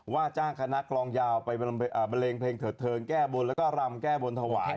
ว่าจ้างคณะกลองยาวไปบันเลงเพลงเถิดเทิงแก้บนแล้วก็รำแก้บนถวาย